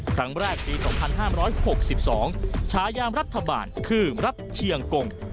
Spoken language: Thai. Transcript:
ครั้งแรกปี๒๕๖๒ฉายามรัฐบาลคือรัฐเชียงกง